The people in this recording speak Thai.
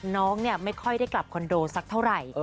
น้องไม่ค่อยได้กลับคอนโดสักเท่าไหร่